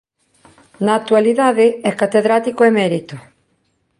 Na actualidade é Catedrático Emérito.